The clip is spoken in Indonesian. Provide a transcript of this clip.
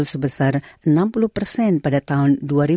dengan enam puluh pada tahun dua ribu tiga puluh